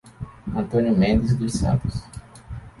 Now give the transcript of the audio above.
Antônio Mendes dos Santos